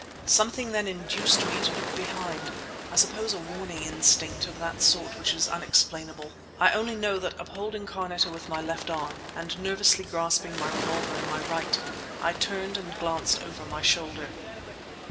Something then induced me to look behind; I suppose a warning instinct of that sort which is unexplainable. I only know that upholding Carneta with my left arm, and nervously grasping my revolver in my right, I turned and glanced over my shoulder.